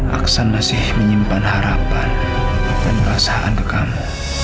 aksan masih menyimpan harapan dan perasaan ke kamu